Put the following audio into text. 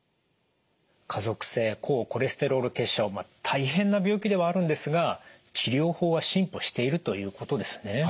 家族性高コレステロール血症大変な病気ではあるんですが治療法は進歩しているということですね。